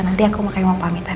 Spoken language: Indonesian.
nanti aku makanya mau pamit